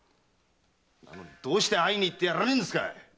どうして会いに行ってやらねえんですか！